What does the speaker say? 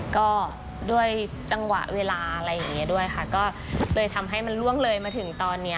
ก็ด้วยจังหวะเวลาอะไรอย่างนี้ด้วยค่ะก็เลยทำให้มันล่วงเลยมาถึงตอนนี้